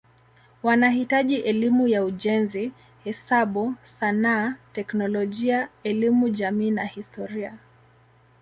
Wanahitaji elimu ya ujenzi, hesabu, sanaa, teknolojia, elimu jamii na historia.